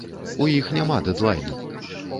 У іх няма дэдлайну.